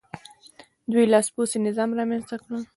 دوی لاسپوڅی نظام رامنځته کړ.